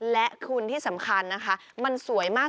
และคุณที่สำคัญนะคะมันสวยมาก